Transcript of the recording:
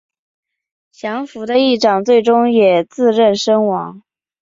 降伏的义长最终也自刃身亡。